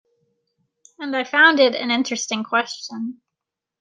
And I found it an interesting question.